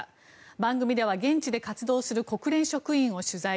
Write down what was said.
番組では現地で活動する国連職員を取材。